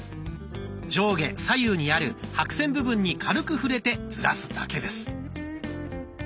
上下左右にある白線部分に軽く触れてずらすだけです。